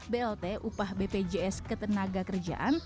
blt upah bpjs ketenaga kerjaan